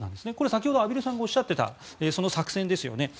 先ほど畔蒜さんがおっしゃっていた作戦ですよね。